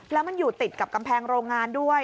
แล้วมันอยู่ติดกับกำแพงโรงงานด้วย